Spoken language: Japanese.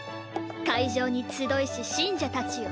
会場に集いし信者たちよ